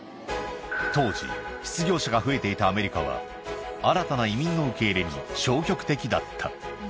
当時、失業者が増えていたアメリカは、新たな移民の受け入れに消極的だった。